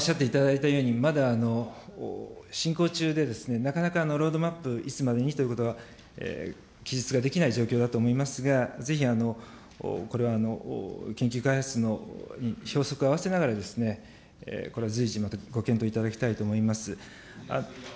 今おっしゃっていただいたように、まだ進行中でですね、なかなかロードマップ、いつまでにということが、記述ができない状況だと思いますが、ぜひこれを研究開発のほうにひょうそくを合わせながら、これは随時ご検討いただきたいと思います。